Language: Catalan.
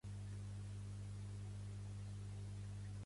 El mediastí representa l'espai medià de la caixa toràcica.